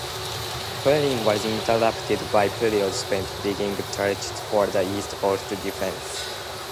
Training was interrupted by periods spent digging trenches for the East Coast defences.